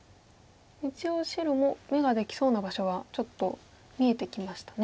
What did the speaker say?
一応白も眼ができそうな場所はちょっと見えてきましたね。